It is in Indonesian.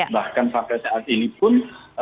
bahkan sampai saat ini pun